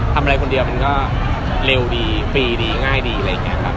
ทำอะไรคนเดียวมันก็เร็วดีฟรีดีง่ายดีอะไรอย่างนี้ครับ